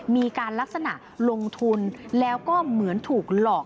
มีการลักษณะลงทุนแล้วก็เหมือนถูกหลอก